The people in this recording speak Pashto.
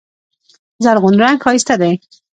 زرغون رنګ ښایسته دی.